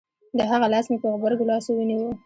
د هغه لاس مې په غبرگو لاسو ونيو.